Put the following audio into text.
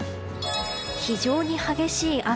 非常に激しい雨。